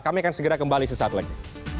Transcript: kami akan segera kembali sesaat lagi